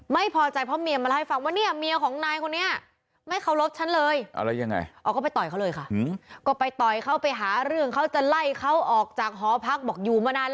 ไม่พอใจเพราะเมียมาเล่าให้ฟังว่าเนี่ยเมียของนายคนนี้ไม่เคารพฉันเลย